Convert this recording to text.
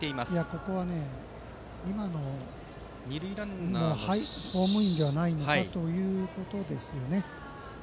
ここは、今のはホームインではないのかということですよね。